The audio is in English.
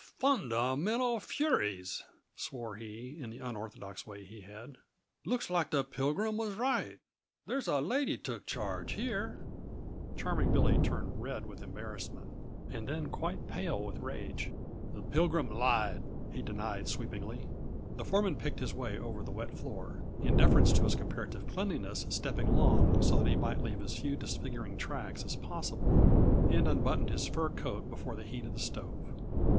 "Fundamental furies!" swore he, in the unorthodox way he had. "Looks like the Pilgrim was right there's a lady took charge here." Charming Billy turned red with embarrassment, and then quite pale with rage. "The Pilgrim lied!" he denied sweepingly. The foreman picked his way over the wet floor, in deference to its comparative cleanliness stepping long so that he might leave as few disfiguring tracks as possible, and unbuttoned his fur coat before the heat of the stove.